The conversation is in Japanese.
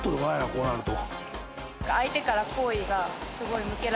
こうなると。